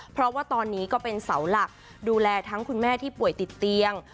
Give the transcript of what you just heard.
เพราะว่าตอนนี้ก็เป็นเสาหลักดูแลทั้งคุณแม่ที่ป่วยติดเตียง